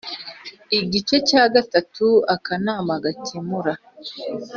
Igice cya gatatu Akanama gakemura